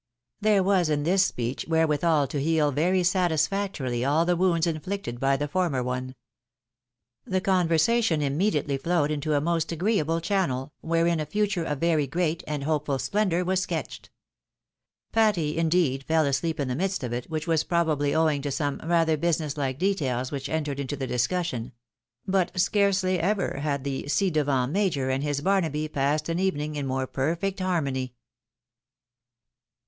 There was in this speech wherewithal to heal very satisfac torily aU the wounds inflicted by the former one. The conver sation immediately flowed into a most agreeable channel, wherein a future of very great and hopeful splendour was sketched. Patty, indeed, fell asleep in the midst of it, which was probably owing to some rather business like details which entered into the discussion ; but scarcely ever had the ci devant major and his Barnaby passed au evening in more perfect harmony.